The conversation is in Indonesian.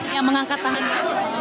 yang mengangkat tangannya